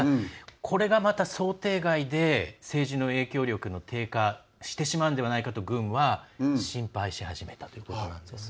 これがまた想定外で政治の影響力が低下してしまうんではないかと軍は心配し始めたということなんですね。